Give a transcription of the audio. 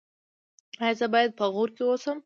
ایا زه باید په غور کې اوسم؟